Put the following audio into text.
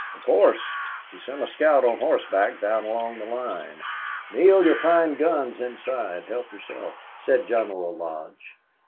"Of course. We sent a scout on horseback down along the line." "Neale, you'll find guns inside. Help yourself," said General Lodge.